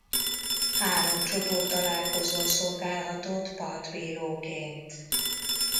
Három csoporttalálkozón szolgálhatott partbíróként.